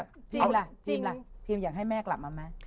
เอาล่ะจริงล่ะพิมอยากให้แม่กลับมาไหม